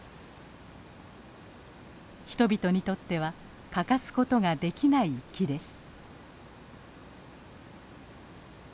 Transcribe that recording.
人々にとっては欠かすことができない木です。